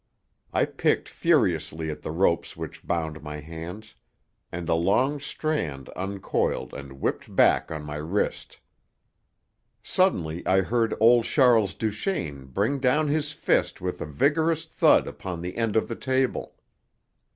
I picked furiously at the ropes which bound my hands, and a long strand uncoiled and whipped back on my wrist. Suddenly I heard old Charles Duchaine bring down his fist with a vigorous thud upon the end of the table.